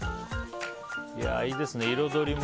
いいですね、彩りも。